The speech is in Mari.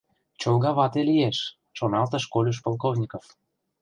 «Чолга вате лиеш! — шоналтыш Колюш Полковников.